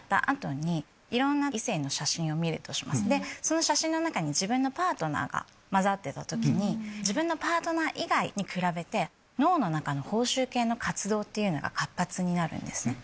その写真の中に自分のパートナーが交ざってた時に自分のパートナー以外に比べて脳の中の。になるんですね。